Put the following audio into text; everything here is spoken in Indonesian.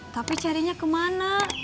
tapi carinya kemana